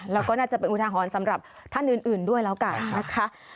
แล้วก็น่าจะเป็นอุทาหรณ์สำหรับท่านอื่นด้วยแล้วกันนะคะ